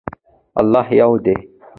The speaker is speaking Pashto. الله یو دی.